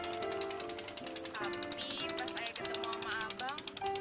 kami pas ayah ketemu sama abang